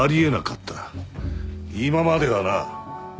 今まではな。